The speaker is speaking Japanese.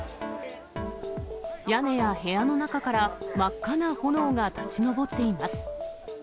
屋根や部屋の中から真っ赤な炎が立ち上っています。